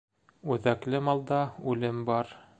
Үҙәкле малда үлем бар.